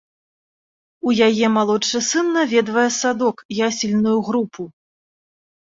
У яе малодшы сын наведвае садок ясельную групу.